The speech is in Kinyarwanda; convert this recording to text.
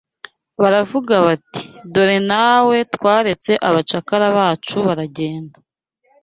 Baravuga bati dore nawe twaretse abacakara bacu baragenda